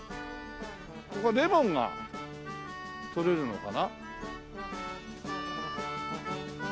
ここはレモンがとれるのかな？